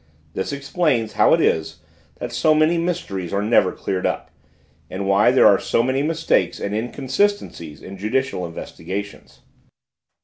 This explains how it is that so many mysteries are never cleared up, and why there are so many mistakes and inconsistencies in judicial investigations."